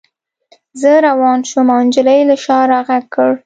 زه روان شوم او نجلۍ له شا را غږ کړ